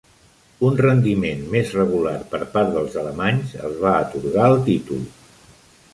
Un rendiment més regular per part dels alemanys els va atorgar el títol.